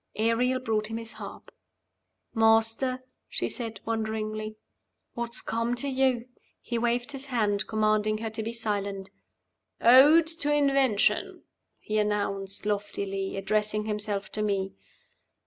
Ariel brought him his harp. "Master," she said, wonderingly, "what's come to you?" He waved his hand, commanding her to be silent. "Ode to Invention," he announced, loftily, addressing himself to me.